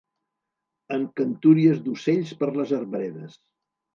...en cantúries d'ocells per les arbredes